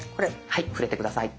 はい触れて下さい。